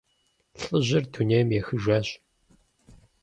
ЛӀыжьыр дунейм ехыжащ.